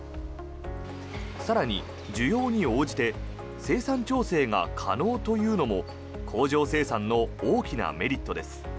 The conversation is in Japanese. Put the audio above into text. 更に、需要に応じて生産調整が可能というのも工場生産の大きなメリットです。